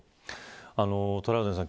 トラウデンさん